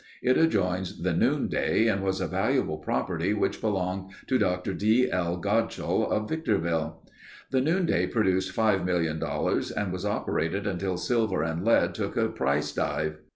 It adjoins the Noonday and was a valuable property which belonged to Dr. L. D. Godshall of Victorville. The Noonday produced five million dollars and was operated until silver and lead took a price dive.